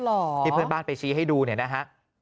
หรอที่เพื่อนบ้านไปชี้ให้ดูเนี่ยนะฮะ